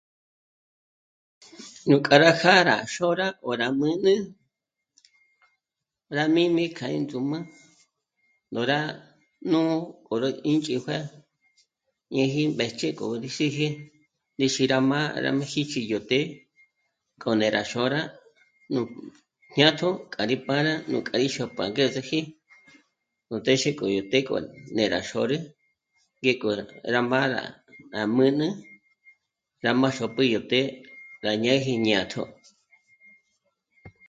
Nú k'a rá jâ'a rá xôra 'òrá mä̌gä, rá míjmi kja índzúmü ndo rá nú k'o ró 'ínch'ijue ñéji mbéchi k'o rí xíji ndé xí rá má rá mí jích'i yó të́'ë, k'o né'e rá xôra nú jñátjo, k'a rí pára nú k'a í xô'pjü angezeji nú téxe k'o yó të́'ë k'o né'e rá xôrü ngéko rá mâ'a ná mǚnü rá má xô'pjü yó të́'ë rá ñáji jñátjo